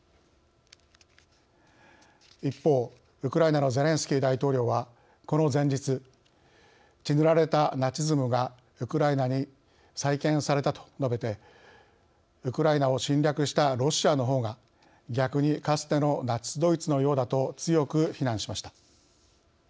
一方ウクライナのゼレンスキー大統領はこの前日「血塗られたナチズムがウクライナに再建された」と述べてウクライナを侵略したロシアの方が逆にかつてのナチスドイツのようだと強く非難しました。